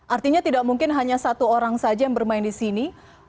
artinya tidak mungkin hanya satu orang saja yang bermain di sini